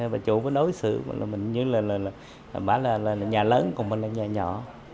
và chủ có đối xử mình như là nhà lớn còn mình là nhà nhỏ